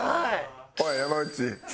おい山内。